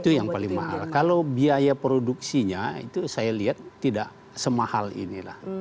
itu yang paling mahal kalau biaya produksinya itu saya lihat tidak semahal inilah